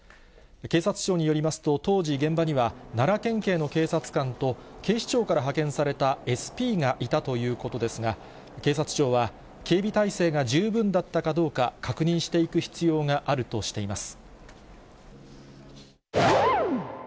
警察庁によりますと、当時、現場には奈良県警の警察官と、警視庁から派遣されたＳＰがいたということですが、警察庁は、警備体制が十分だったかどうか、確認していく必要があるとしています。